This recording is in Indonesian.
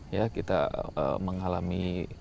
ya kita mengalami